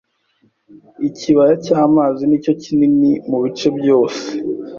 Ikibaya cy'amazi nicyo kinini mu bice byose